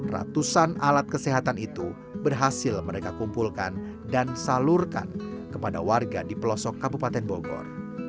ratusan alat kesehatan itu berhasil mereka kumpulkan dan salurkan kepada warga di pelosok kabupaten bogor